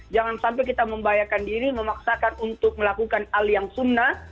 jangan sampai kita membahayakan diri memaksakan untuk melakukan al yang sunnah